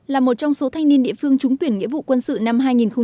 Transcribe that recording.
là một trong số thanh niên địa phương trúng tuyển nghĩa vụ quân sự năm hai nghìn hai mươi